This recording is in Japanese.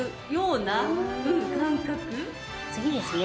次ですね